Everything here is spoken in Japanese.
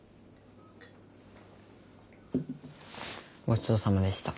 ごちそうさまでした。